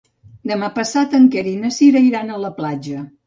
Demà passat en Quer i na Cira iran a la platja.